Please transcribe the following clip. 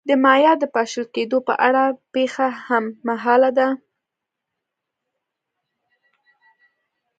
د مایا د پاشل کېدو په اړه پېښه هممهاله ده.